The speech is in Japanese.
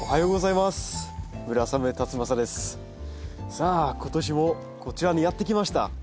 さあ今年もこちらにやって来ました。